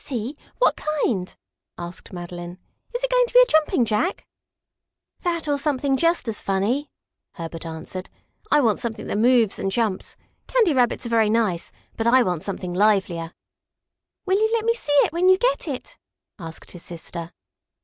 "Is he? What kind?" asked Madeline. "Is it going to be a Jumping Jack?" "That, or something just as funny," Herbert answered. "I want something that moves and jumps. Candy Rabbits are very nice, but I want something livelier." "Will you let me see it when you get it?" asked his sister.